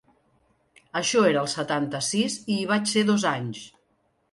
Això era el setanta-sis i hi vaig ser dos anys.